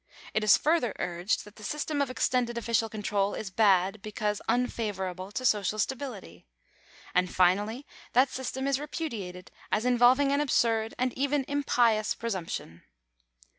It is further urged, that the system of extended official control is bad, because unfavourable to social stability. And, finally, that system is repudiated, as involving an absurd and even impious presumption.